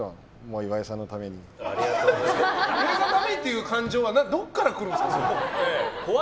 岩井さんのためにっていう感情はどこから来るんですか。